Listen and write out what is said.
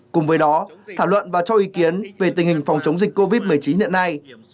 cùng với đó thảo luận và cho ý kiến về tình hình phòng chống dịch covid một mươi chín hiện nay